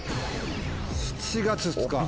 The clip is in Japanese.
７月２日。